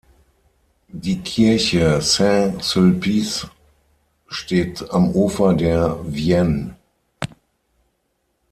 Die Kirche Saint-Sulpice steht am Ufer der Vienne.